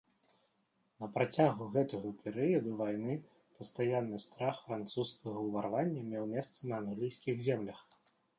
На працягу гэтага перыяду вайны пастаянны страх французскага ўварвання меў месца на англійскіх землях.